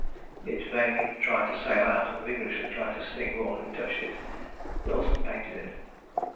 It vainly tried to sail out, and vigorously tried to sting all who touched it. Wilson painted it.